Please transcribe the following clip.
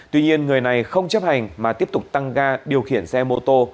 tuy nhiên người này không chấp hành mà tiếp tục tăng ga điều khiển xe mô tô